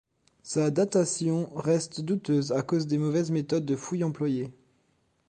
Sa datation reste douteuse, à cause des mauvaises méthodes de fouilles employées.